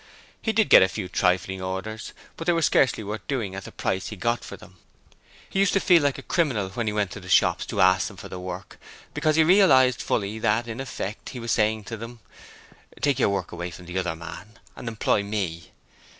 He did get a few trifling orders, but they were scarcely worth doing at the price he got for them. He used to feel like a criminal when he went into the shops to ask them for the work, because he realized fully that, in effect, he was saying to them: 'Take your work away from the other man, and employ me.'